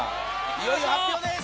いよいよ発表です。